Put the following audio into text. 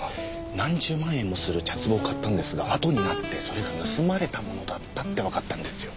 何十万円もする茶壷を買ったんですがあとになってそれが盗まれたものだったってわかったんですよ。